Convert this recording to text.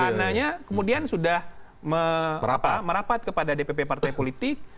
karena kemudian sudah merapat kepada dpp partai politik